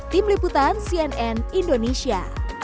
tim liputan cnn indonesia